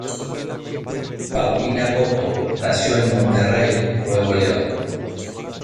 Paulina Goto nació en Monterrey, Nuevo León.